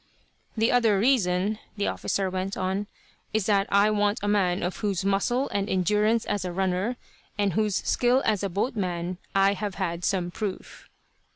"The other reason," the officer went on, "is that I want a man of whose muscle and endurance as a runner, and whose skill as a boatman, I have had some proof."